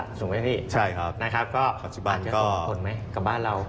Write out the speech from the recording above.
ถูกมั้ยพี่นะครับก็อาจจะโตก่อนไหมกับบ้านเรา